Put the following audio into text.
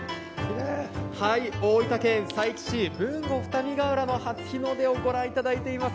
大分県佐伯市豊後二見ヶ浦の初日の出をご覧いただいています。